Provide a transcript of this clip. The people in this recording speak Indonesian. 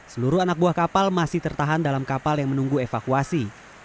seluruh anak buah kapal masih tertahan dalam kapal yang menunggu evakuasi